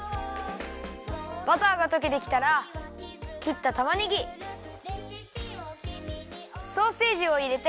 バターがとけてきたらきったたまねぎソーセージをいれて。